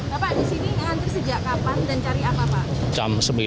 bapak di sini ngantri sejak kapan dan cari apa pak